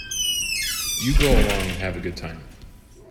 You go along and have a good time.